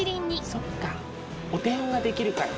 そっかお手本ができるから。